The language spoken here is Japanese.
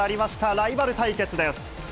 ライバル対決です。